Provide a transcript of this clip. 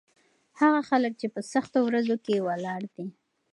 هغه خلک چې په سختو ورځو کې ولاړ دي.